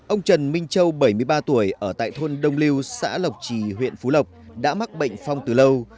ông trần minh châu bảy mươi ba tuổi ở tại thôn đông lưu xã lộc trì huyện phú lộc đã mắc bệnh phong từ lâu